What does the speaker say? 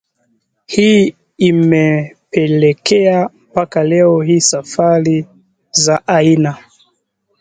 Hii imepelekea mpaka leo hii safari za aina